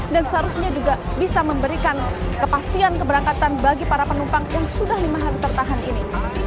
dan seharusnya juga bisa memberikan kepastian keberangkatan bagi para penumpang yang sudah lima hari tertahan ini